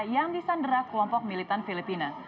yang disandera kelompok militan filipina